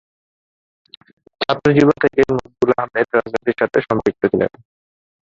ছাত্রজীবন থেকেই মকবুল আহমদ রাজনীতির সাথে সম্পৃক্ত ছিলেন।